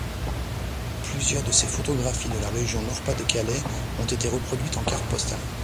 Plusieurs de ses photographies de la région Nord-Pas-de-Calais ont été reproduites en cartes-postales.